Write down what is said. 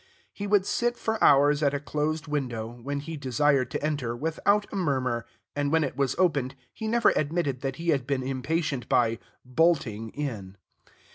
He would sit for hours at a closed window, when he desired to enter, without a murmur, and when it was opened, he never admitted that he had been impatient by "bolting" in.